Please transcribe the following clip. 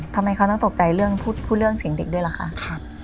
ทำไมเขาต้องตกใจเรื่องพูดเรื่องเสียงเด็กด้วยล่ะคะ